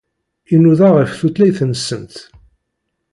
Inuda ɣef tutlayt-nsent.